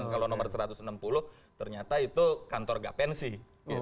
kalau nomor satu ratus enam puluh ternyata itu kantor gak pensi